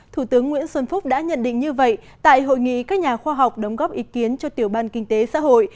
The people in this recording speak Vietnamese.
thủ tướng nguyễn xuân phúc đã nhận định như vậy tại hội nghị các nhà khoa học đóng góp ý kiến cho tiểu ban kinh tế xã hội